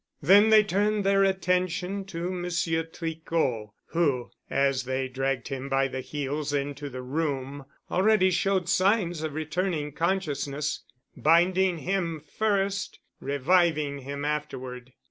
Then they turned their attention to Monsieur Tricot, who, as they dragged him by the heels into the room, already showed signs of returning consciousness, binding him first, reviving him afterward.